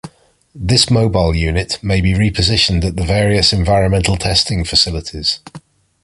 This mobile unit may be repositioned at the various environmental testing facilities.